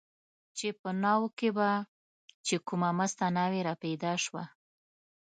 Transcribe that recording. چې په ناوو کې به چې کومه مسته ناوې را پیدا شوه.